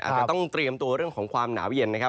อาจจะต้องเตรียมตัวเรื่องของความหนาวเย็นนะครับ